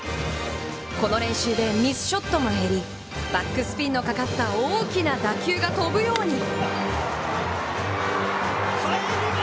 この練習で、ミスショットも減り、バックスピンのかかった大きな打球が飛ぶように。